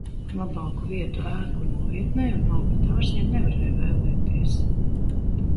Labāku vietu ēku novietnei un augļu dārziem nevarēja vēlēties.